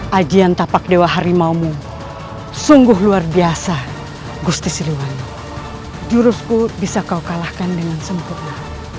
hai ajian tapak dewa harimaumu sungguh luar biasa gusti siliwani jurusku bisa kau kalahkan dengan sempurna